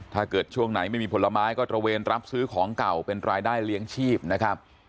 ถ้าเกิดช่วงไหนไม่มีผลไม้ก็ตระเวนรับซื้อของเก่าเป็นรายได้เลี้ยงชีพนะครับ